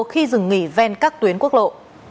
khi dừng nghỉ ven các tuyến quốc lộ